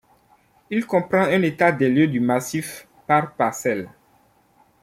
Il comprend un état des lieux du massif, par parcelles.